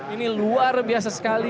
ini luar biasa sekali